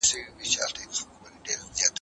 کېدای سي کتابتون ليری وي؟